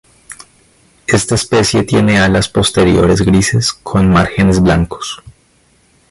Esta especie tiene alas posteriores grises con márgenes blancos.